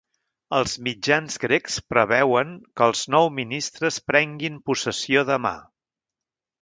Els mitjans grecs preveuen que els nou ministres prenguin possessió demà.